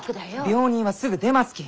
病人はすぐ出ますき！